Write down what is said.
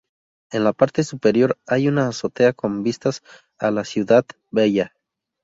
En la parte superior hay una azotea con vistas a la Ciutat Vella.